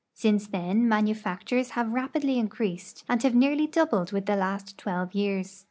Since then manufactures have rapidly increased and have nearly doubled the last twelve years.